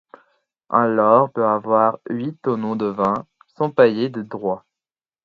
Un lord peut avoir huit tonneaux de vin sans payer de droits.